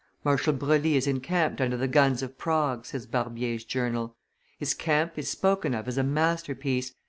"Marshal Broglie is encamped under the guns of Prague," says Barbier's journal: "his camp is spoken of as a masterpiece.